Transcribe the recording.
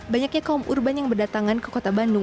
banyaknya kaum urban yang berdatangan ke kota bandung